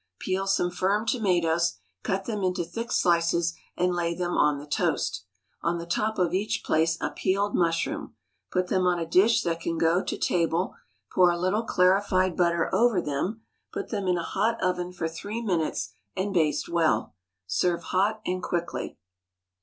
Peel some firm tomatoes, cut them into thick slices, and lay them on the toast. On the top of each place a peeled mushroom. Put them on a dish that can go to table, pour a little clarified butter over them, put them in a hot oven for three minutes, and baste well. Serve hot and quickly.